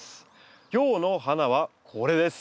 今日の花はこれです。